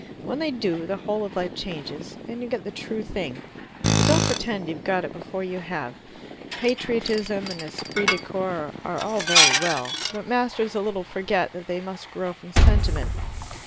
When they do, the whole of life changes, and you get the true thing. But don't pretend you've got it before you have. Patriotism and esprit de corps are all very well, but masters a little forget that they must grow from sentiment.